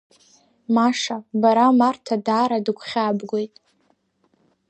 Маша, бара Марҭа даара дыгәхьаабгоит.